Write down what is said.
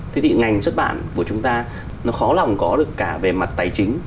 thế thì ngành xuất bản của chúng ta nó khó lòng có được cả về mặt tài chính